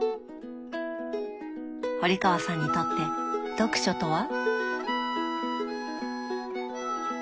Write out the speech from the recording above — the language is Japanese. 堀川さんにとって読書とは？